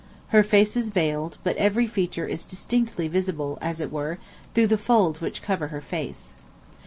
Her face is veiled; but every feature is distinctly visible, as it were, through the folds which cover her face.